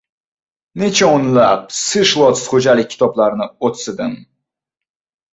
Necha o‘nlab sishlots xo‘jalik kitoblarini o‘tsidim.